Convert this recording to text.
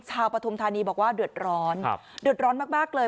ชาวประธุมธรรมิบอกว่าเดือดร้อนเดือดร้อนมากเลย